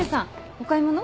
お買い物？